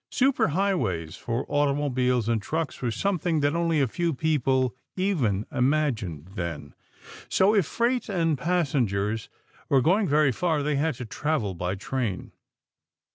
Super highways for automobiles and trucks were something that only a few people even imagined then. So if freight and passengers were going very far, they had to travel by train.